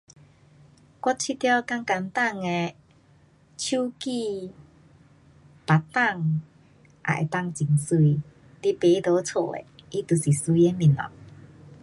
我觉得简简单的树枝，batang, 也能够很美。你摆在家的，它就是美的东西。